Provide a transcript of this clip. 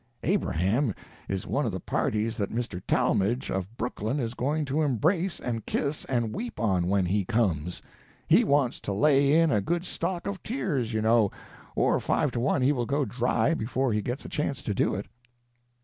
Abraham is one of the parties that Mr. Talmage, of Brooklyn, is going to embrace, and kiss, and weep on, when he comes. He wants to lay in a good stock of tears, you know, or five to one he will go dry before he gets a chance to do it."